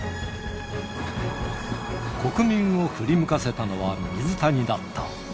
国民を振り向かせたのは、水谷だった。